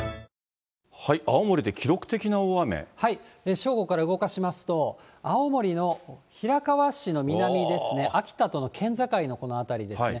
正午から動かしますと、青森のひらかわ市の南ですね、秋田との県境のこの辺りですね。